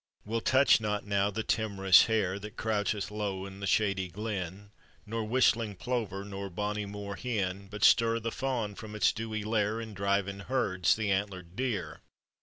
We'll touch not now the timorous hare, That croueheth low in the shady glen, Nor whistling plover nor bonny moor hen, But stir the fawn from its dewy lair And drive in herds the antlered deer."